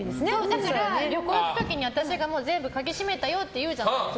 だから旅行行く時に私が全部、鍵閉めたよって言うじゃないですか。